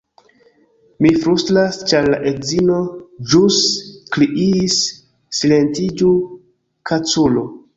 Mi flustras ĉar la edzino ĵus kriis "Silentiĝu kaculo!"